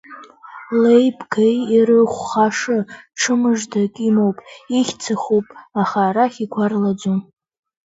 Леи-бгеи ирыхәхаша, ҽымыждак имоуп, ихьӡ ахуп, аха арахь игәарлаӡом…